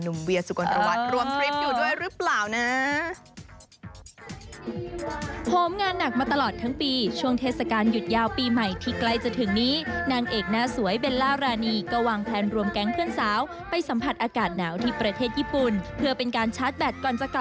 เวียสุกลวัตรรวมทริปอยู่ด้วยหรือเปล่านะ